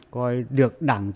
coi được đảng chính